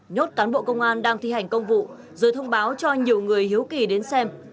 nhốt cán bộ công an đang thi hành công vụ rồi thông báo cho nhiều người hiếu kỳ đến xem